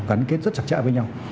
gắn kết rất chặt chẽ với nhau